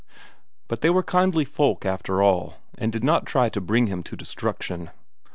But they were kindly folk after all, and did not try to bring him to destruction.